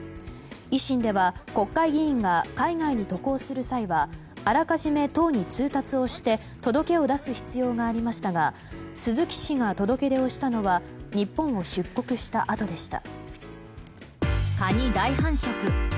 維新では国会議員が海外に渡航する際はあらかじめ党に通達をして届を出す必要がありましたが鈴木氏が届をしたのは日本を出国したあとでした。